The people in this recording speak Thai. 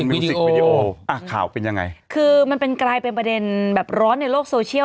มิวสิกวิดีโออ่ะข่าวเป็นยังไงคือมันเป็นกลายเป็นประเด็นแบบร้อนในโลกโซเชียล